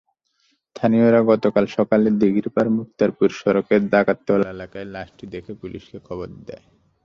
স্থানীয়রা গতকাল সকালে দিঘিরপার-মুক্তারপুর সড়কের ডাকাততলা এলাকায় লাশটি দেখে পুলিশকে খবর দেয়।